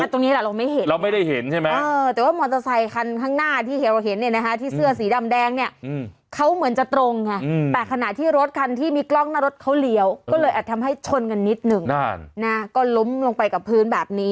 ตรงนี้แหละเราไม่เห็นเราไม่ได้เห็นใช่ไหมแต่ว่ามอเตอร์ไซคันข้างหน้าที่เราเห็นเนี่ยนะคะที่เสื้อสีดำแดงเนี่ยเขาเหมือนจะตรงไงแต่ขณะที่รถคันที่มีกล้องหน้ารถเขาเลี้ยวก็เลยอาจทำให้ชนกันนิดนึงนะก็ล้มลงไปกับพื้นแบบนี้